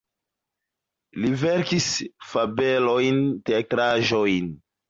Li verkis fabelojn, teatraĵojn.